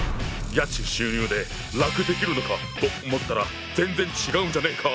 家賃収入で楽できるのかと思ったら全然違うじゃねえか！